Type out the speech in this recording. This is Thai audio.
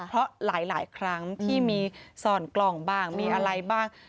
เพราะหลายครั้งที่มีส่อนกล่องบ้างมีอะไรบ้าง